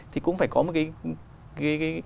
thì cũng phải có một cái